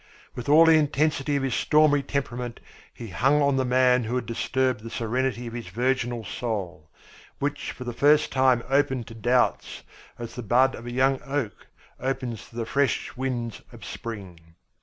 With all the intensity of his stormy temperament he hung on the man who had disturbed the serenity of his virginal soul, which for the first time opened to doubts as the bud of a young oak opens to the fresh winds of spring.